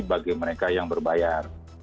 bagi mereka yang berbayar